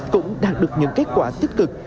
cũng đạt được những kết quả tích cực